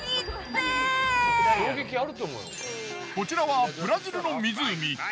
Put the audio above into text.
こちらはブラジルの湖。